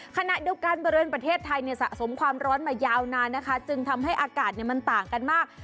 ขณะเดียวกันบริเวณประเทศไทยเนี่ยสะสมความร้อนมายาวนานนะคะจึงทำให้อากาศมันต่างกันมาก